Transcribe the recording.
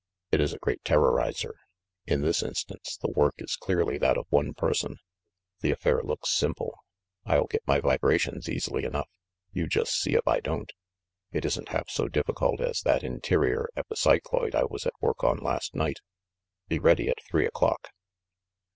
It is a great terrorizer. In this instance, the work is clearly that of one person. The affair looks simple. I'll get my vibrations easily enough ; you just see if I don't ! It isn't half so difficult as that interior epicycloid I was at work on last night. Be ready at three o'clock."